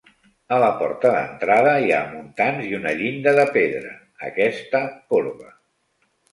A la porta d'entrada hi ha muntants i una llinda de pedra, aquesta corba.